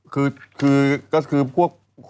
คือก็คือพวก